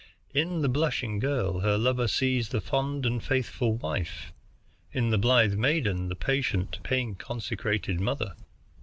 In the blushing girl her lover sees the fond and faithful wife, in the blithe maiden the patient, pain consecrated mother.